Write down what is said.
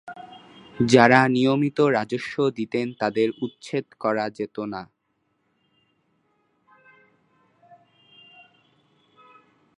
যারা নিয়মিত রাজস্ব দিতেন তাদেরকে উচ্ছেদ করা যেতো না।